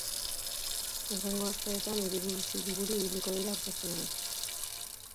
Hurrengo asteetan, hiriburuz hiriburu ibiliko dira aurkezpen lanetan.